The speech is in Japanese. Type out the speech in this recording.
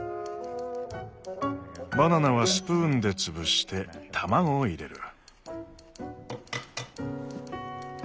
バナナはスプーンで潰して卵を入れる。